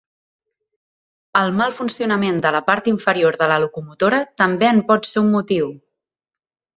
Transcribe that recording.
El mal funcionament de la part inferior de la locomotora també en pot ser un motiu.